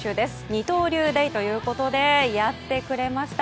二刀流デーということでやってくれました。